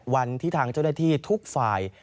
วันที่ทางเจ้าหน้าที่ทุกฝ่าย